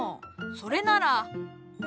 それなら。